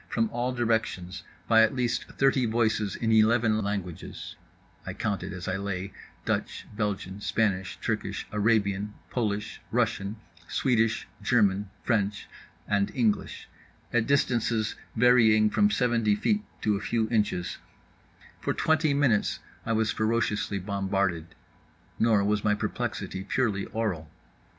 From all directions, by at least thirty voices in eleven languages (I counted as I lay Dutch, Belgian, Spanish, Turkish, Arabian, Polish, Russian, Swedish, German, French—and English) at distances varying from seventy feet to a few inches, for twenty minutes I was ferociously bombarded. Nor was my perplexity purely aural.